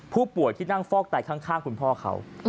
ผู้ป่วยที่นั่งฟอกไตข้างคุณพ่อเขา